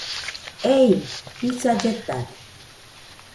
Ei jisa lletade.